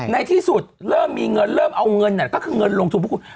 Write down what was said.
ในที่สุดเริ่มมีเงินเริ่มเอาเงินก็คือเงินลงทุนพวกคุณ